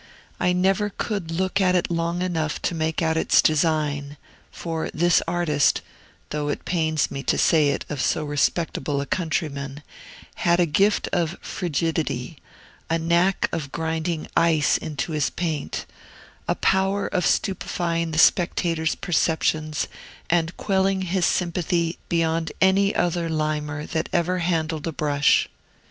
I never could look at it long enough to make out its design; for this artist (though it pains me to say it of so respectable a countryman) had a gift of frigidity, a knack of grinding ice into his paint, a power of stupefying the spectator's perceptions and quelling his sympathy, beyond any other limner that ever handled a brush.